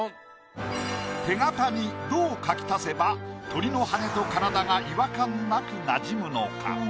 手形にどう描き足せば鳥の羽と体が違和感なく馴染むのか？